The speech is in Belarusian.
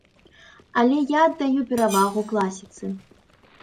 Але я аддаю перавагу класіцы.